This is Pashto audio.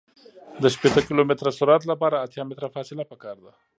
د شپیته کیلومتره سرعت لپاره اتیا متره فاصله پکار ده